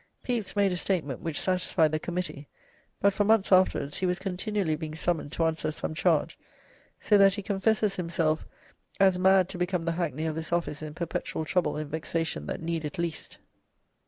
Pepys made a statement which satisfied the committee, but for months afterwards he was continually being summoned to answer some charge, so that he confesses himself as mad to "become the hackney of this office in perpetual trouble and vexation that need it least."